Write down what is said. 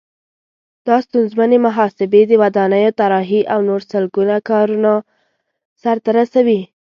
دا ستونزمنې محاسبې، د ودانیو طراحي او نور سلګونه کارونه سرته رسوي.